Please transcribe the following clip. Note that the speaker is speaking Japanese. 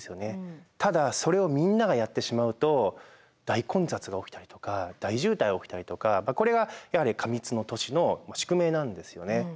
ただそれをみんながやってしまうと大混雑が起きたりとか大渋滞が起きたりとかこれがやはり過密の都市の宿命なんですよね。